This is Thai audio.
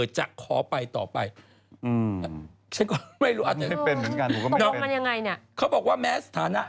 จะขอไปต่อไปไปไหนใจคงบอกทาง